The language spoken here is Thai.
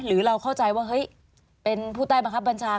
หรือเราเข้าใจว่าเฮ้ยเป็นผู้ใต้บังคับบัญชา